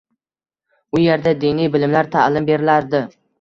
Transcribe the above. U yerda diniy bilimlar taʼlim berilardi.